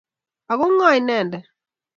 Ago ng'o inendet?